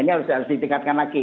ini harus ditingkatkan lagi